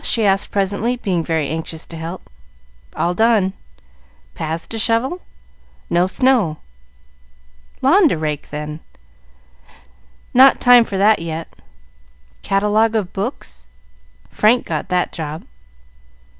she asked presently, being very anxious to help. "All done." "Paths to shovel?" "No snow." "Lawn to rake, then?" "Not time for that yet." "Catalogue of books?" "Frank got that job."